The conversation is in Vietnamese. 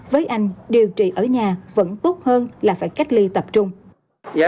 với anh điều trị ở nhà vẫn tốt hơn là phải cách ly tập trung